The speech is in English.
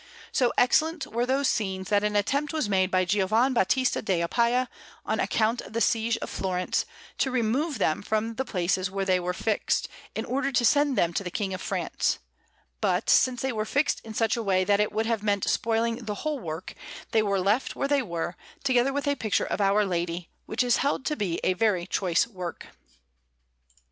So excellent were those scenes, that an attempt was made by Giovan Battista della Palla, on account of the siege of Florence, to remove them from the places where they were fixed, in order to send them to the King of France; but, since they were fixed in such a way that it would have meant spoiling the whole work, they were left where they were, together with a picture of Our Lady, which is held to be a very choice work.